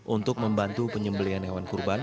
untuk membantu penyembelian hewan kurban